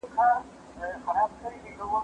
زه به سبا سبزیحات پاختم؟